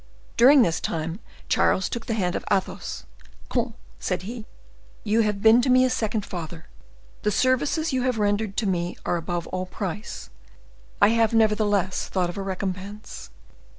During this time, Charles took the hand of Athos. "Comte," said he, "you have been to me a second father; the services you have rendered to me are above all price. I have, nevertheless, thought of a recompense.